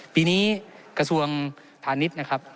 ปีนี้กระทรวงพาณิชย์นะครับ